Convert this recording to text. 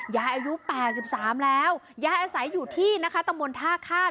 อายุ๘๓แล้วยายอาศัยอยู่ที่นะคะตำบลท่าข้าม